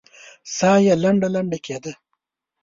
ساه يې لنډه لنډه کېده.